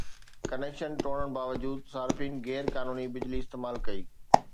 connection ٽوڙڻ باوجود صارفين غير قانوني بجلي استعمال ڪئي